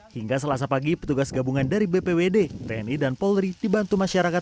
hingga selasa pagi petugas gabungan dari bpwd tni dan polri dibantu masyarakat